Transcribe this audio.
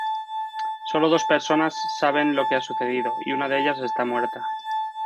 Solo dos personas saben lo que ha sucedido, y una de ellas está muerta.